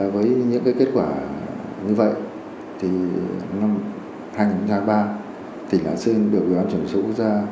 với những cái kết quả như vậy thì năm hai nghìn ba tỉnh lán sơn được ủy ban chuyển đổi số quốc gia